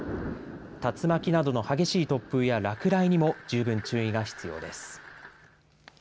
竜巻などの激しい突風や落雷にも十分注意が必要です。